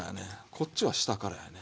こっちは下からやね。